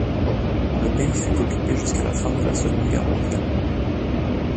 Le pays fut occupé jusqu'à la fin de la Seconde Guerre mondiale.